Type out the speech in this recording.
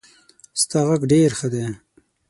ستا غږ ډېر ښه دی.